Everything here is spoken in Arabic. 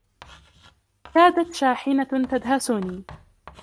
كادت شاحنةٌ تدهسُنِي.